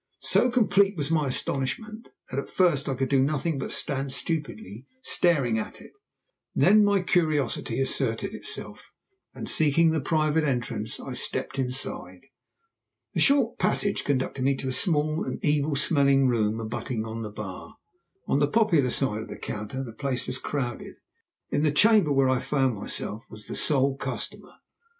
So complete was my astonishment that at first I could do nothing but stand stupidly staring at it, then my curiosity asserted itself and, seeking the private entrance, I stepped inside. A short passage conducted me to a small and evil smelling room abutting on the bar. On the popular side of the counter the place was crowded; in the chamber where I found myself I was the sole customer.